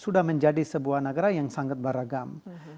sudah menjadi sebuah negara yang sangat beragam